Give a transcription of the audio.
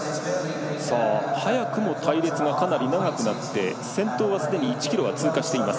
早くも隊列がかなり長くなって先頭はすでに１ｋｍを通過しています。